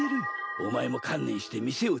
お前も観念して店を継げ。